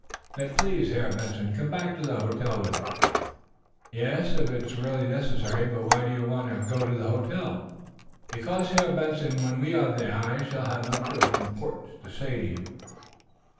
"Then please, Herr Benson, come back to the hotel with me." "Yes; if it's really necessary. But why do you want to go to the hotel?" "Because, Herr Benson, when we are there, I shall have much of importance to say to you."